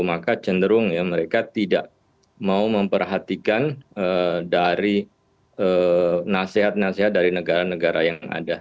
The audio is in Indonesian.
maka cenderung ya mereka tidak mau memperhatikan dari nasihat nasihat dari negara negara yang ada